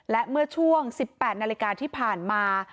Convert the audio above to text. และเมื่อช่วง๑๘นาฬิกาที่ผ่านมา